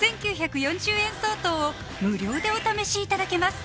５９４０円相当を無料でお試しいただけます